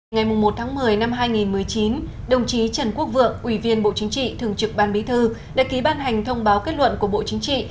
ngày một một mươi năm hai nghìn một mươi chín đồng chí trần quốc vượng ủy viên bộ chính trị thường trực ban bí thư đã ký ban hành thông báo kết luận của bộ chính trị